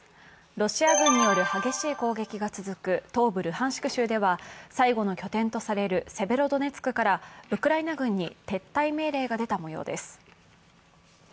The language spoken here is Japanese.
ロシア軍による激しい攻撃が続く東部ルハンシク州では、最後の拠点とされるセベロドネツクからウクライナ軍に撤退命令が出たもようです。